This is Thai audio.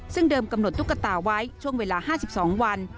ซึ่งเดิมกำหนดตุ๊กตาไว้ช่วงเวลา๕๒วัน